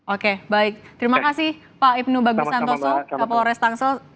oke baik terima kasih pak ibnu bagusantoso kapolores tangsel